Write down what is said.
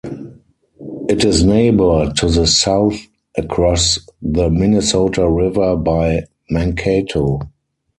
It is neighbored to the south across the Minnesota River by Mankato.